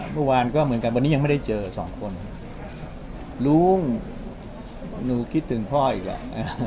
เมื่อวานก็เหมือนกับวันนี้ยังไม่ได้เจอสองคนลุงหนูคิดถึงพ่ออีกแหละ